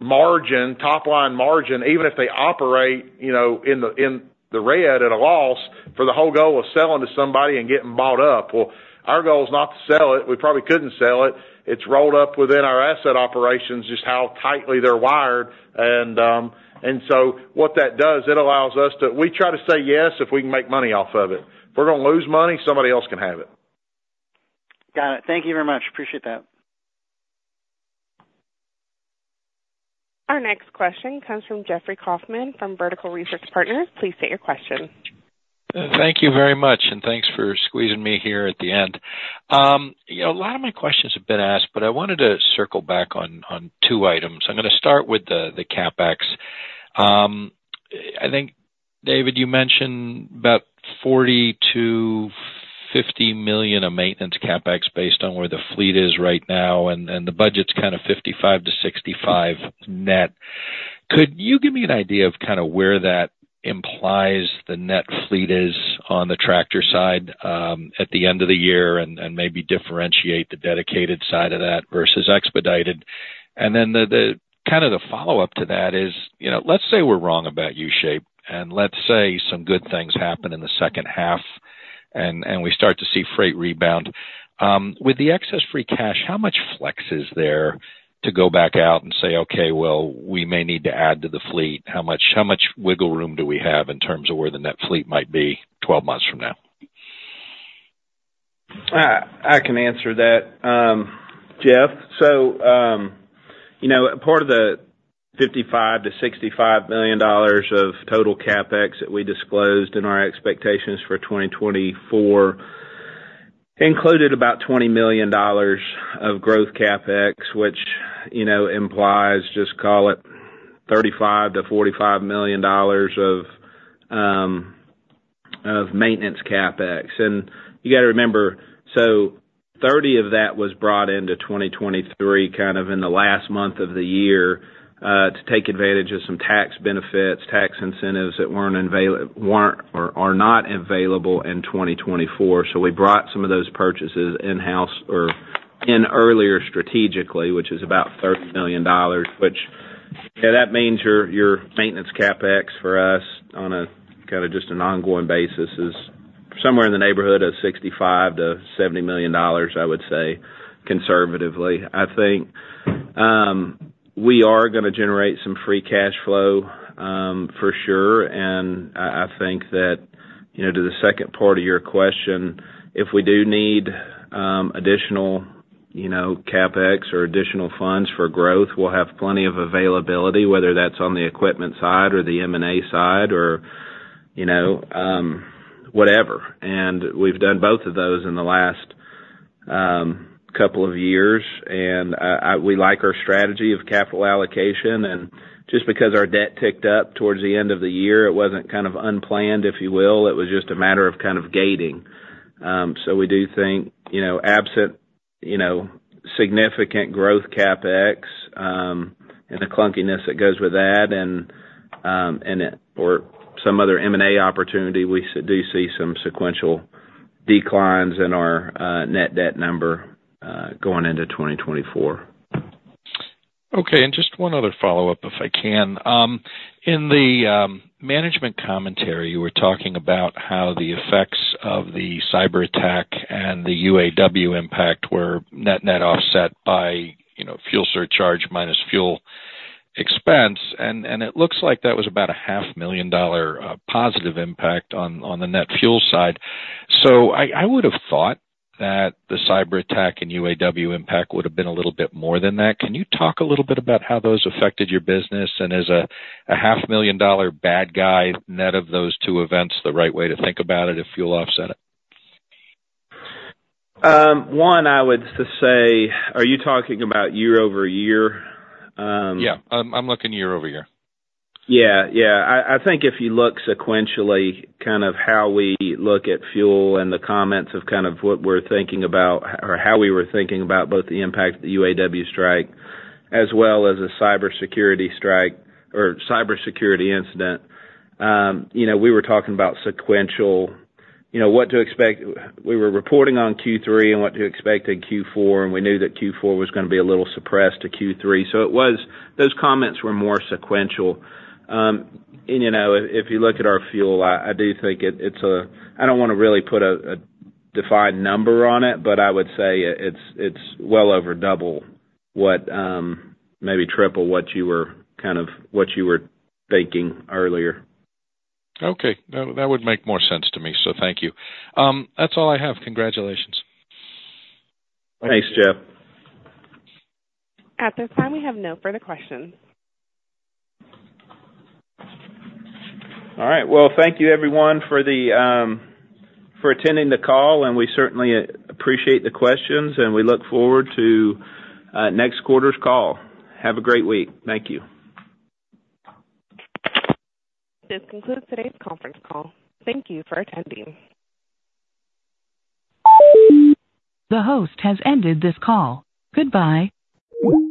margin, top line margin, even if they operate, you know, in the red at a loss, for the whole goal of selling to somebody and getting bought up. Well, our goal is not to sell it. We probably couldn't sell it. It's rolled up within our asset operations, just how tightly they're wired. And so what that does, it allows us to... We try to say yes, if we can make money off of it. If we're gonna lose money, somebody else can have it. Got it. Thank you very much. Appreciate that. Our next question comes from Jeffrey Kauffman, from Vertical Research Partners. Please state your question. Thank you very much, and thanks for squeezing me here at the end. You know, a lot of my questions have been asked, but I wanted to circle back on, on two items. I'm gonna start with the, the CapEx. I think, David, you mentioned about $40 million-$50 million of maintenance CapEx based on where the fleet is right now, and, and the budget's kind of $55 million-$65 million net. Could you give me an idea of kind of where that implies the net fleet is on the tractor side, at the end of the year? And, and maybe differentiate the dedicated side of that versus expedited. And then the, the kind of the follow-up to that is, you know, let's say we're wrong about U-shape, and let's say some good things happen in the second half and, and we start to see freight rebound. With the excess free cash, how much flex is there to go back out and say, "Okay, well, we may need to add to the fleet." How much, how much wiggle room do we have in terms of where the net fleet might be 12 months from now? I can answer that, Jeff. So, you know, part of the $55 million-$65 million of total CapEx that we disclosed in our expectations for 2024 included about $20 million of growth CapEx, which, you know, implies just call it $35 million-$45 million of maintenance CapEx. And you gotta remember, so 30 of that was brought into 2023, kind of in the last month of the year, to take advantage of some tax benefits, tax incentives that weren't or are not available in 2024. So we brought some of those purchases in-house or in earlier strategically, which is about $30 million, which, yeah, that means your maintenance CapEx for us on a kind of just an ongoing basis is somewhere in the neighborhood of $65 million-$70 million, I would say, conservatively. I think, we are gonna generate some free cash flow, for sure. And I think that, you know, to the second part of your question, if we do need, additional, you know, CapEx or additional funds for growth, we'll have plenty of availability, whether that's on the equipment side or the M&A side or, you know, whatever. And we've done both of those in the last, couple of years, and, we like our strategy of capital allocation. And just because our debt ticked up towards the end of the year, it wasn't kind of unplanned, if you will. It was just a matter of kind of gating. So we do think, you know, absent, you know, significant growth CapEx, and the clunkiness that goes with that and, and it... Or some other M&A opportunity, we do see some sequential declines in our net debt number going into 2024. Okay, and just one other follow-up, if I can. In the management commentary, you were talking about how the effects of the cyberattack and the UAW impact were net-net offset by, you know, fuel surcharge minus fuel expense, and it looks like that was about a $500,000 positive impact on the net fuel side. So I would have thought that the cyberattack and UAW impact would have been a little bit more than that. Can you talk a little bit about how those affected your business? And is a $500,000 bad guy net of those two events, the right way to think about it, if fuel offset it? One, I would say, are you talking about year-over-year? Yeah, I'm looking year-over-year. Yeah. Yeah. I think if you look sequentially, kind of how we look at fuel and the comments of kind of what we're thinking about or how we were thinking about both the impact of the UAW strike, as well as the cybersecurity strike or cybersecurity incident. You know, we were talking about sequential, you know, what to expect. We were reporting on Q3 and what to expect in Q4, and we knew that Q4 was gonna be a little suppressed to Q3. So it was, those comments were more sequential. And, you know, if you look at our fuel, I do think it's a, I don't wanna really put a defined number on it, but I would say it's well over double what, maybe triple what you were kind of, what you were thinking earlier. Okay. That would make more sense to me, so thank you. That's all I have. Congratulations. Thanks, Jeff. At this time, we have no further questions. All right. Well, thank you everyone, for the for attending the call, and we certainly appreciate the questions, and we look forward to next quarter's call. Have a great week. Thank you. This concludes today's conference call. Thank you for attending. The host has ended this call. Goodbye.